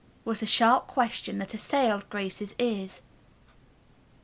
was the sharp question that assailed Grace's ears.